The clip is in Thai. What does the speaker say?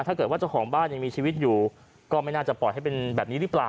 เจ้าของบ้านยังมีชีวิตอยู่ก็ไม่น่าจะปล่อยให้เป็นแบบนี้หรือเปล่า